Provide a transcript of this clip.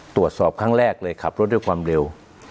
ตรวจสอบครั้งแรกเลยขับรถด้วยความเร็ว